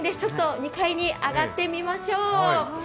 ２階に上がってみましょう。